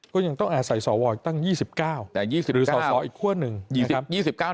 ก็ยังต้องอาศัยส่อวอตั้ง๒๙หรือส่ออีกขั้วหนึ่งนะครับ